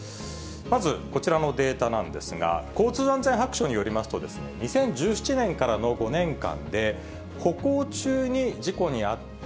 まずこちらのデータなんですが、交通安全白書によりますと、２０１７年からの５年間で、歩行中に事故に遭って、